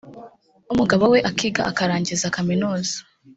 umugabo we akiga akarangiza kaminuza